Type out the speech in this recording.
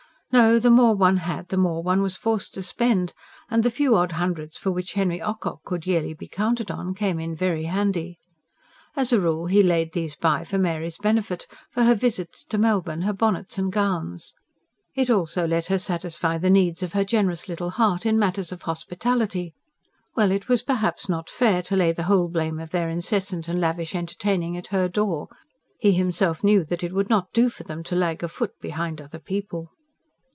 No, the more one had, the more one was forced to spend; and the few odd hundreds for which Henry Ocock could yearly be counted on came in very handy. As a rule he laid these by for Mary's benefit; for her visits to Melbourne, her bonnets and gowns. It also let her satisfy the needs of her generous little heart in matters of hospitality well, it was perhaps not fair to lay the whole blame of their incessant and lavish entertaining at her door. He himself knew that it would not do for them to lag a foot behind other people.